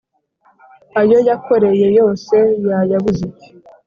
ayo yakoreye yose yayabuze